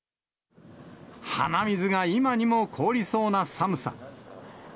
鼻水が今にも凍りそうな寒さ。